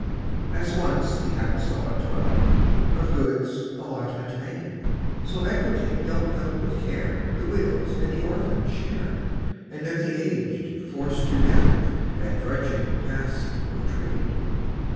As once the apostolic twelve Of goods allotment made, So equity dealt out with care The widow's and the orphan's share, And of the aged forced to delve At drudging task or trade.